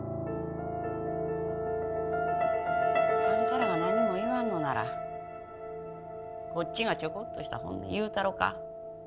あんたらが何も言わんのならこっちがちょこっとした本音言うたろか？